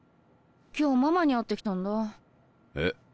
今日ママに会ってきたんだ。え？